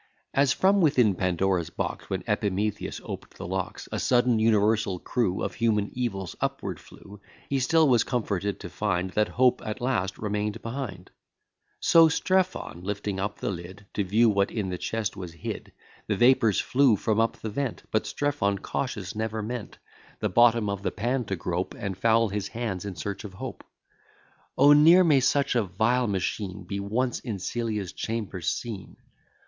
As, from within Pandora's box, When Epimetheus op'd the locks, A sudden universal crew Of human evils upward flew; He still was comforted to find That hope at last remain'd behind: So Strephon, lifting up the lid, To view what in the chest was hid, The vapours flew from up the vent; But Strephon, cautious, never meant The bottom of the pan to grope, And foul his hands in search of hope. O! ne'er may such a vile machine Be once in Celia's chamber seen!